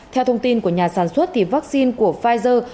theo thông tin của nhà sản xuất vắc xin của pfizer